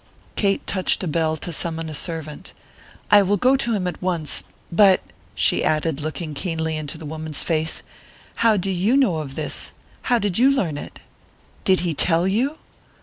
Kate touched a bell to summon a servant. "I will go to him at once; but," she added, looking keenly into the woman's face, "how do you know of this? How did you learn it? Did he tell you?"